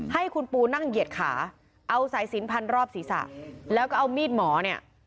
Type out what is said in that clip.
ให้คุณปูนั่งเหยียดขาเอาสายสินพันรอบศีรษะแล้วก็เอามีดหมอเนี่ย